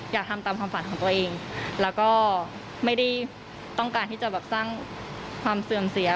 อยากทำตามความฝันของตัวเองแล้วก็ไม่ได้ต้องการที่จะแบบสร้างความเสื่อมเสีย